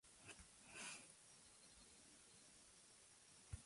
La victoria decisiva en Horseshoe Bend acabó con el poder de la nación creek.